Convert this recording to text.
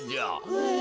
へえ。